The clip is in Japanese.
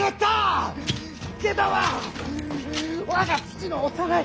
池田は我が父の幼い。